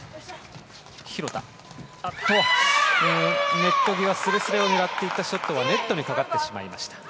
ネット際すれすれを狙っていったショットはネットにかかってしまいました。